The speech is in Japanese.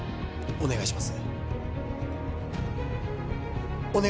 お願いします！